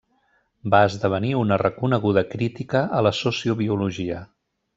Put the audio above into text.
Va esdevenir una reconeguda crítica a la sociobiologia.